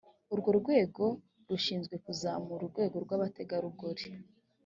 urwo rwego rushinzwe kuzamura urwego rw’abategarugoli